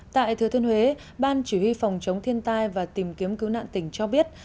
tại thừa thiên huế ban chỉ huy phòng chống thiên tai và tìm kiếm cứu nạn tỉnh cho biết